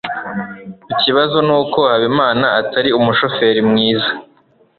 ikibazo nuko habimana atari umushoferi mwiza